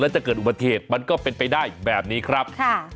จะเกิดอุบัติเหตุมันก็เป็นไปได้แบบนี้ครับ